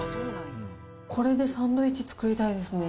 これでサンドイッチ作りたいですね。